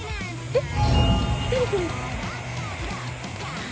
えっ？